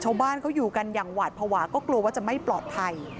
ชาวบ้านเขาอยู่กันอย่างหวาดภาวะก็กลัวว่าจะไม่ปลอดภัย